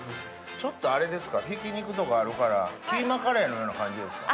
ちょっとあれですかひき肉とかあるからキーマカレーのような感じですか？